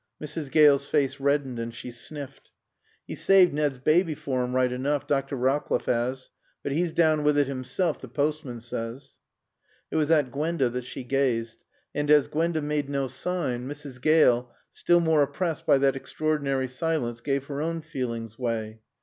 Mrs. Gale's face reddened and she sniffed. "'E's saaved Nad's baaby for 'm, right enoof, Dr. Rawcliffe 'as. But 'e's down wi't hissel, t' poastman says." It was at Gwenda that she gazed. And as Gwenda made no sign, Mrs. Gale, still more oppressed by that extraordinary silence, gave her own feelings way.